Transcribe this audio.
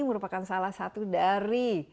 merupakan salah satu dari